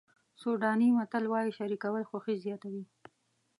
سوډاني متل وایي شریکول خوښي زیاتوي.